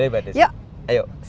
boleh pak des